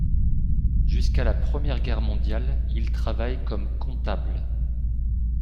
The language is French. Jusqu’à la Première Guerre mondiale, il travaille comme comptable.